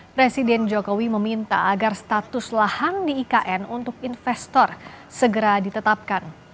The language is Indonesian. presiden jokowi meminta agar status lahan di ikn untuk investor segera ditetapkan